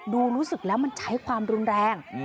รู้สึกแล้วมันใช้ความรุนแรง